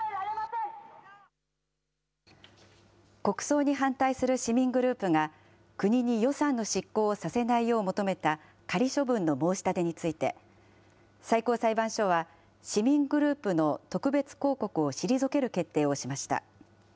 国葬に反対する市民グループが国に予算の執行をさせないよう求めた仮処分の申し立てについて、最高裁判所は、市民グループの特別抗告を退ける決定をしました。